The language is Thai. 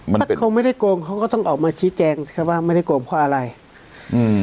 ถ้าเขาไม่ได้โกงเขาก็ต้องออกมาชี้แจงแค่ว่าไม่ได้โกงเพราะอะไรอืม